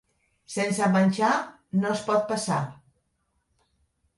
Sense menjar no es pot passar.